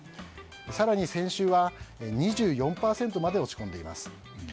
更に先週は、２４％まで落ち込んでいます。